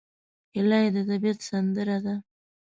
هیلۍ د طبیعت سندره ده